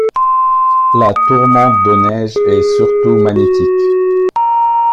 La tourmente de neige est surtout magnétique.